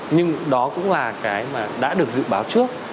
nhưng đó cũng là cái mà đã được dự báo trước